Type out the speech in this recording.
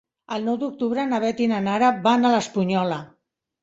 El nou d'octubre na Beth i na Nara van a l'Espunyola.